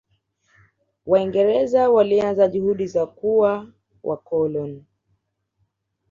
Waingereza walianza juhudi za kuwa wakoloni